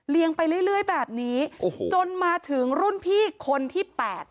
เรียงไปเรื่อยแบบนี้จนมาถึงรุ่นพี่คนที่๘